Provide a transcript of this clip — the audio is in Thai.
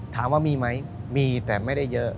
ถามว่ามีไหมมีแต่ไม่ได้เยอะ